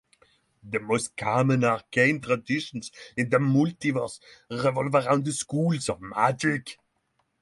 The most common arcane traditions in the multiverse revolve around the schools of magic.